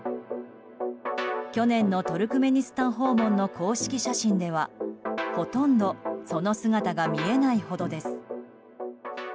去年のトルクメニスタン訪問の公式写真ではほとんど、その姿が見えないほどです。